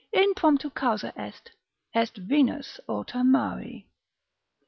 In promptu causa est, est Venus orta mari.